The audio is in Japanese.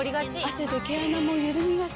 汗で毛穴もゆるみがち。